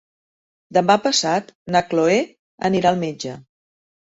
Demà passat na Chloé anirà al metge.